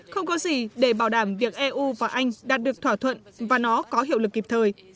không có gì để bảo đảm việc eu và anh đạt được thỏa thuận và nó có hiệu lực kịp thời